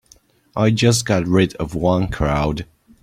I just got rid of one crowd.